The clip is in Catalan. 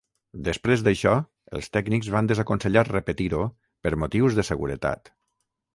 Després d’això, els tècnics van desaconsellar repetir-ho per motius de seguretat.